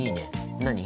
何？